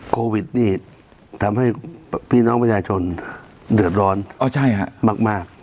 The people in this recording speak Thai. โควิดนี้ทำให้พี่น้องประชาชนเดือดร้อนมาก